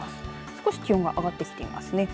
少し気温が上がってきていますね。